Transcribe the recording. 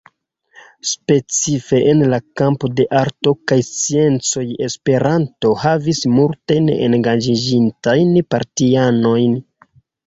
Specife en la kampo de arto kaj sciencoj Esperanto havis multajn engaĝiĝintajn partianojn.